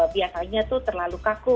biasanya terlalu kaku